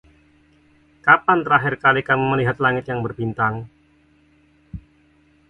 Kapan terakhir kali kamu melihat langit yang berbintang?